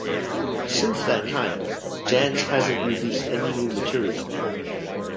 Since that time, Janz hasn't released any new material.